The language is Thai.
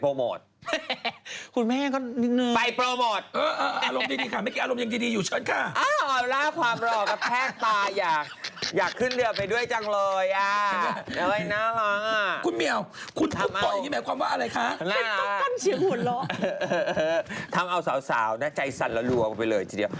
ก็อย่างนี้